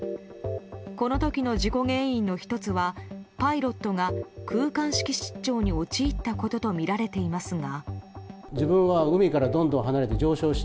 この時の事故原因の１つはパイロットが空間識失調に陥ったことと見られていますが。